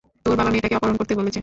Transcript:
তোর বাবা মেয়েটাকে অপহরণ করতে বলেছে।